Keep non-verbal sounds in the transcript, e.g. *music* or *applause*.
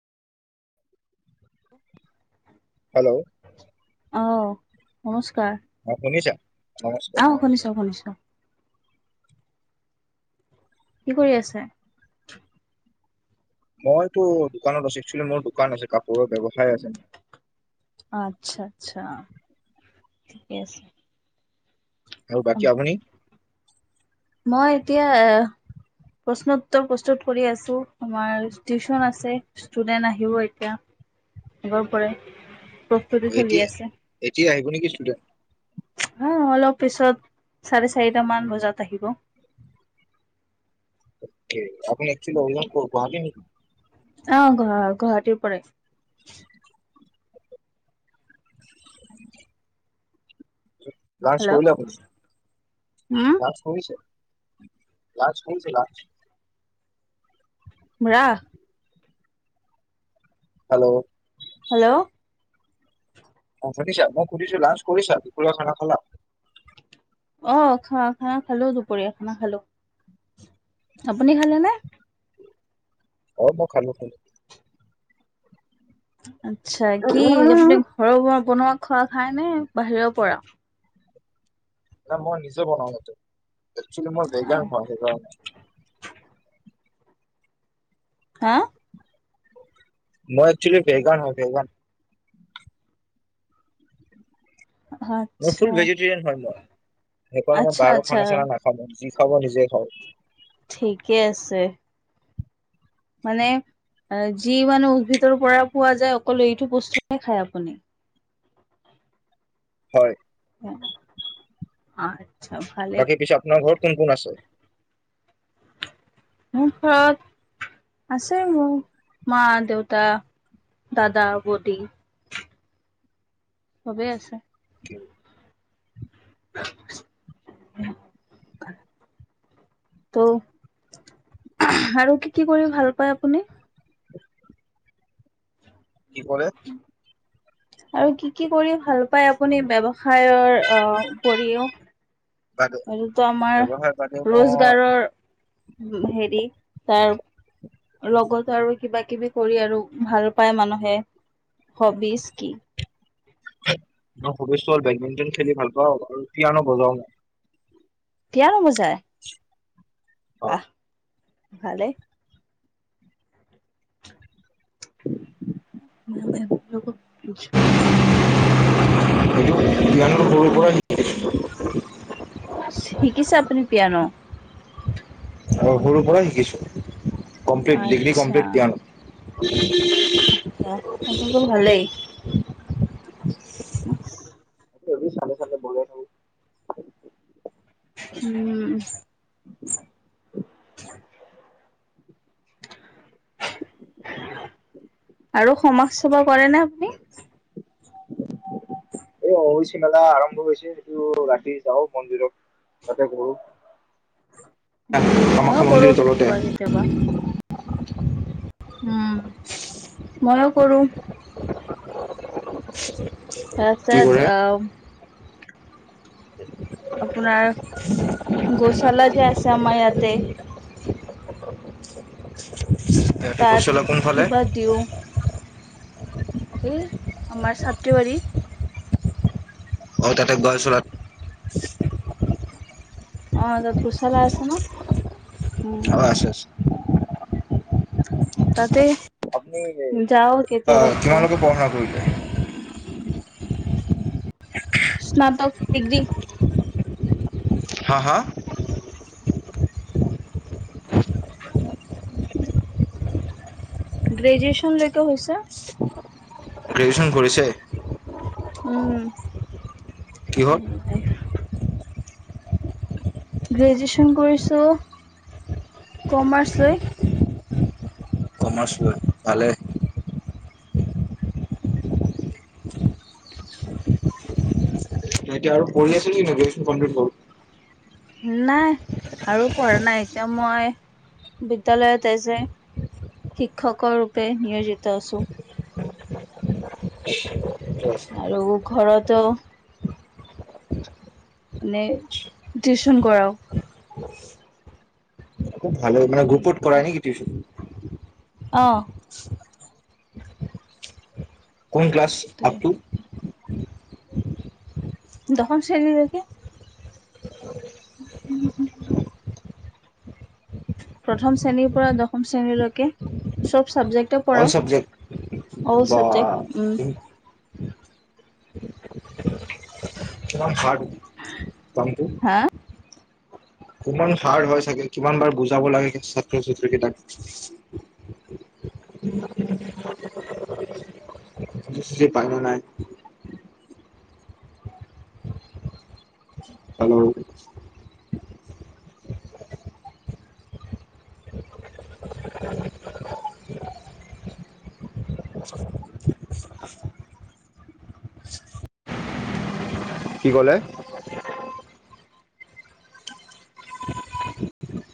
Hello? অঁ, নমস্কাৰ। অ শুনিছা? আ নমস্কাৰ। শুনিছো শুনিছো। কি কৰি আছে? মইতো দোকানত আছো, একচুৱেলি মোৰ দোকান আছে, কাপোৰৰ ব্যৱসায় আছে। অ আচ্ছা আচ্ছা, ঠিকে আছে। আৰু বাকি আপুনি? মই এতিয়া প্ৰশ্ন উত্তৰ প্ৰস্তুত কৰি আছো আমাৰ টিউচন আছে। ষ্টুডেন্ট আহিব এতিয়া আগৰ পৰাই, চলি এতিয়া, আছে এতিয়া আহিব নেকি ষ্টুডেণ্ট? উম অলপ পিছত চাৰে চাৰিটা মান বজাত আহিব। অকে, আপুনি একচুৱেল অৰ্জিনিয়েল কৰ গুৱাহাটীৰ নেকি? অ ঘৰ গুৱাহাটীৰ পৰে, *inaudible* লাঞ্চ হেল্ল' কৰিলে আপুনি উম লাঞ্চ, হৈছে লাঞ্চ হৈছে লাঞ্চ, ৰাস, হেল্ল' হেল্ল' অ শুনিছা মই শুনিছোঁ লাঞ্চ কৰিচা দুপৰীয়া খানা খালা? অ খ খানা খালো দুপৰীয়া খানা খালো, আপুনি খালে নে? অ মই খালো খালো। আতছা কি আপুনি ঘৰৰ বনোৱা খোৱা খাই নে বাহিৰৰ পৰা, না মই নিজে বনাও সেইটো, একছুৱেলি মই ভেগান আ- হয় সেইকাৰণে, হা? মই একচলি বেগান হয় বেগান, মোৰ ফুল আচ্ছা ভেজিটেৰিয়ান হয় মই সেইকাৰণে মই আচ্ছা বাহিৰৰ আচ্ছা খানা চানা নাখওঁ, যি খাও মই নিজে খাও, ঠিকে আছে। মানে যি মানে উদ্ভিদৰ পৰা পোৱা যায় অকল এইটো বস্তুয়ে খায় আপুনি, হয়। অ বাকী পিছে আপোনাৰ ঘৰত কোন কোন আছে? মোৰ ঘৰত আছে মোৰ, মা, দেউতা, দাদা, বদী। চবেই আছে। *inaudible* *inaudible* ত আৰু কি কি কৰি ভাল পায় আপুনি? কি কৰে? আৰু কি কি কৰি ভাল পাই আপুনি ব্যৱসায়ৰ উপৰিও, বাদে এইটোটো আমাৰ ব্যৱসায় বাদে মই ৰোজগাৰৰ হেৰি তাৰ, লগতো আৰু কিবা কিবি কৰি আৰু ভাল পায় মানুহে, হবিজ কি? মোৰ হবিজ টো হল বেডমিন্টন খেলি ভাল পাওঁ আৰু পিয়ানো বজাও মই, পীয়ানো বজাই? আহ ভালেই। *unintelligible* *inaudible* হয়টো জ্ঞানটো সৰুৰ পৰাই, শিকিছে আপুনি পিয়ানো? সৰুৰ পৰাই শিকিছো কমপ্লিট ডিগ্ৰী আচ্ছা কমপ্লিট পিয়নো। আছা সেইটোতো ভালেই। উম, এনেই চালে চালে বজাই থাকো উম আৰু সমাজ সেৱা কৰে নে *unintelligible* এই অৱশী মেলা আৰম্ভ হৈছে সেটো ৰাতি যাওঁ মন্দিৰত তাতে কৰো উম মইয়ো কামাখ্যা কৰো মন্দিৰ তলতে কেতিয়াবা কেতিয়াবা উম মইয়ো কৰো *inaudible* কি আচ্ছাত কৰে অ আপোনাৰ গুশালা যে আছে আমাৰ ইয়াতে *inaudible* ইয়াতে তাত গছলা কোনফালে কিবা দিওঁ এই আমাৰ ছাত্ৰী বাৰী অ তাতে বাৰ চলাত অ তাত গুছলা আছে ন উম আচ্ছা আচ্ছা তাতে আপুনি যাও আ কেতিয়াবা কেতিয়াবা কিমানলৈকে পঢ়া কৰিলে স্নাতক ডিগ্ৰী হা হা গ্ৰেজুৱেচনলৈকে হৈছে গ্ৰেজুৱেচন কৰিছে কিহত উম গ্ৰেজুৱেচন কৰিছো কমাৰ্চ লৈ কমাৰ্চ লৈ ভালে *inaudible* এতিয়া আৰু পঢ়ি আছে নেকি *unintelligible* নাই আৰু পঢ়া নাই এতিয়া মই বিদ্যালয়ত আহিছো শিক্ষকৰ ৰূপে নিয়োজিত আছো *unintelligible* আৰু ঘৰতো মানে টিউচন কৰাও খুব ভালে মানে গুপট কৰা বেকাৰ নেকি টিউচন অ কোন ক্লাছ তে আপ টু দখম শ্ৰেণী লৈকে প্ৰথম শ্ৰেণীৰ পৰা দশম শ্ৰেণীলৈকে চব চাবজেক্ট অল চাবজেক্ট পঢ়াও অল বা চাবজেক্ট উম ইমান হাৰ্ড কামটো হা? কিমান হাৰ্ড হয় চাগে কিমান বাৰ বুজাব লাগে ছাত্ৰ ছাত্ৰী কেইটাক সিস্তি পাই নে নাই হেল্ল কি ক'লে *inaudible*